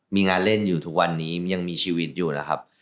มีงานเล่นอยู่ทุกวันนี้ยังมีชีวิตอยู่นะครับ